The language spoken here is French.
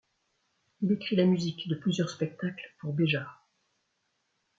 Il écrit la musique de plusieurs spectacles pour Béjart.